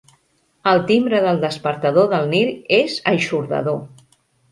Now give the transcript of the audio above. El timbre del despertador del Nil és eixordador.